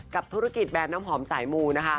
กับธุรกิจแบนด์น้ำหอมสายมูล